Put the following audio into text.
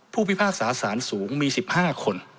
พิพากษาสารสูงมี๑๕คน